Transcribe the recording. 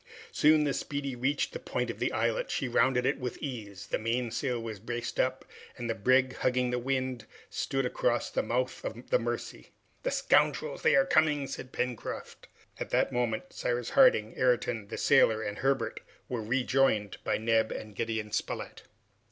Soon the "Speedy" reached the point of the islet; she rounded it with ease; the mainsail was braced up, and the brig hugging the wind, stood across the mouth of the Mercy. "The scoundrels! they are coming!" said Pencroft. At that moment, Cyrus Harding, Ayrton, the sailor, and Herbert, were rejoined by Neb and Gideon Spilett.